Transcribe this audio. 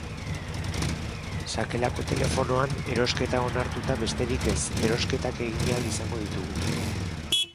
Sakelako telefonoan erosketa onartuta besterik ez erosketak egin ahal izango ditugu.